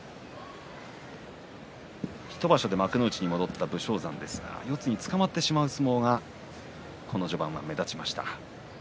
１場所で幕内に戻った武将山ですが、つかまってしまう相撲がこの序盤は目立ちました。